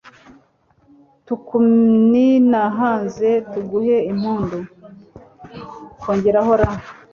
tukuninahaze tuguhe impundu, +r